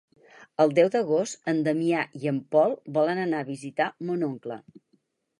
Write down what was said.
El deu d'agost en Damià i en Pol volen anar a visitar mon oncle.